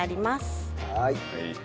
はい。